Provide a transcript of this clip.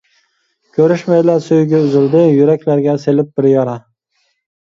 كۆرۈشمەيلا سۆيگۈ ئۈزۈلدى، يۈرەكلەرگە سېلىپ بىر يارا.